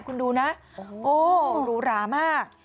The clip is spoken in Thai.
คุณดูนะโอ้หรูหรามาก